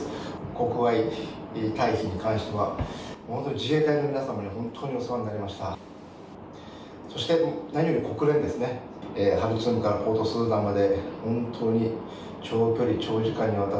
国外退避に関しては、本当に自衛隊の皆様に本当にお世話になりました。